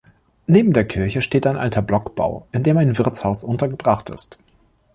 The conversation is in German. Neben der Kirche steht ein alter Blockbau, in dem ein Wirtshaus untergebracht ist.